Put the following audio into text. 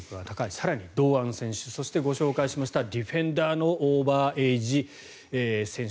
更に堂安選手そしてご紹介しましたディフェンダーのオーバーエイジ選手